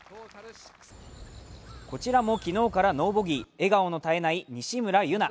こちらも昨日からノーボギー、笑顔の絶えない西村優菜。